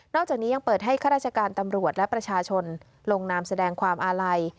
จากนี้ยังเปิดให้ข้าราชการตำรวจและประชาชนลงนามแสดงความอาลัย